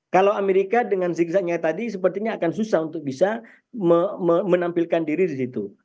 kalau amerika dengan zigzagnya tadi sepertinya akan susah untuk bisa menampilkan diri di situ